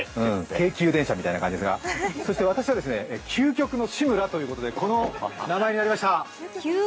京急電車みたいな感じですが究極の志村ということで、この名前になりました。